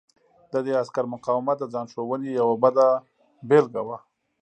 د دې عسکر مقاومت د ځان ښودنې یوه بده بېلګه وه